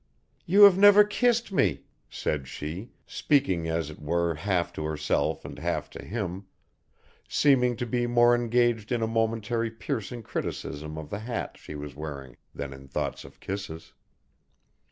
"You have never kissed me," said she, speaking as it were half to herself and half to him, seeming to be more engaged in a momentary piercing criticism of the hat she was wearing than in thoughts of kisses.